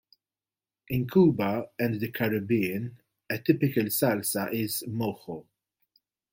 In Cuba and the Caribbean, a typical salsa is "mojo".